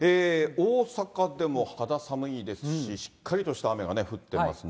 大阪でも肌寒いですし、しっかりとした雨が降ってますね。